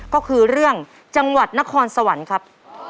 ก็คือเรื่องจังหวัดนครสวรรค์ครับ